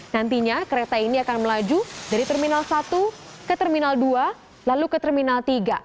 nantinya kereta ini akan melaju dari terminal satu ke terminal dua lalu ke terminal tiga